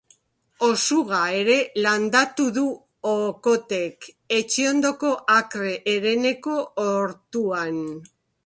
Osuga ere landatu du Okothek etxe ondoko akre hereneko ortuan.